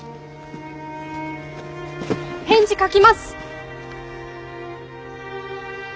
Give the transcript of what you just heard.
返事書きます！